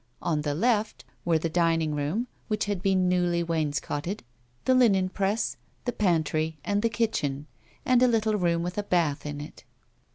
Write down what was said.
On the left were the dining room, which had been newly wainscotted, the linen press, the pantry, the kitchen, and a little room with a bath in it.